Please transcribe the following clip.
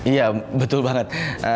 iya betul banget